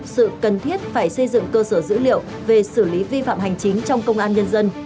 sự cần thiết phải xây dựng cơ sở dữ liệu về xử lý vi phạm hành chính trong công an nhân dân